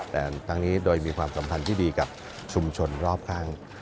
แต่ครั้งนี้โดยมีความสัมพันธ์ที่ดีกับชุมชนรอบข้าง